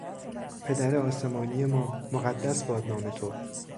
پدر آسمانی ما، مقدس باد نام تو!